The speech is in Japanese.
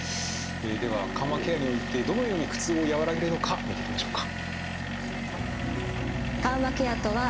では緩和ケアにおいてどのように苦痛を和らげるのか見ていきましょうか。